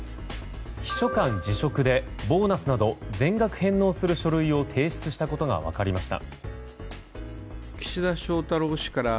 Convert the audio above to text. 秘書官辞職でボーナスなど全額返納する書類を提出したことが分かりました。